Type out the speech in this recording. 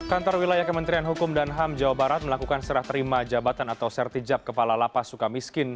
kantor wilayah kementerian hukum dan ham jawa barat melakukan serah terima jabatan atau sertijab kepala lapas suka miskin